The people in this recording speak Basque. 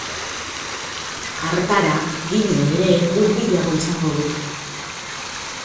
Hartara Gino ere hurbilago izango duk.